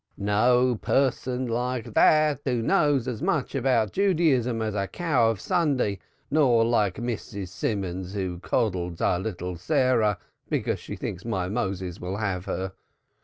No person like that who knows as much about Judaism as the cow of Sunday, nor like Mrs. Simons, who coddles our little Sarah because she thinks my Moses will have her.